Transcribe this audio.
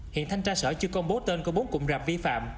hiện thanh tra sở chưa công bố tên của bốn cụm rạp vi phạm